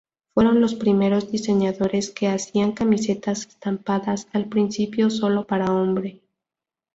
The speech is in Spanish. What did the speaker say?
Fueron los primeros diseñadores que hacían camisetas estampadas, al principio sólo para hombre.